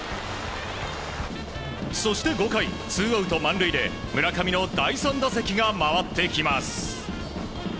そして５回、ツーアウト満塁で村上の第３打席が回ってきます。